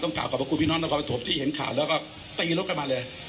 กลับขอบพระคุณพี่น้องนครปฐมที่เห็นข่าวแล้วก็ตีรถกันมาเลย